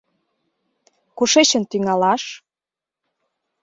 Кушечын тӱҥалаш?